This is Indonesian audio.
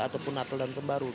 ataupun natal dan tembaru